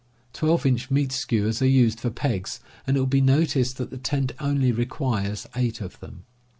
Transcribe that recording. Twelve inch meat skewers are used for pegs, and it will be noticed that the tent only requires eight of them.